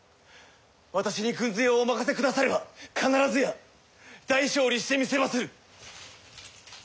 私に軍勢をお任せ下されば必ずや大勝利してみせまする！